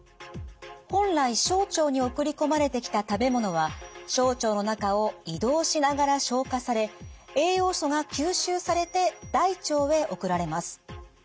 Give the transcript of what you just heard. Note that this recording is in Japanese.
本来小腸に送り込まれてきた食べ物は小腸の中を移動しながら消化され栄養素が吸収されて大腸へ送られます。